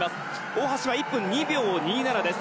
大橋が１分２秒２７。